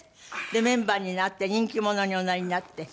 メンバーになって人気者におなりになって。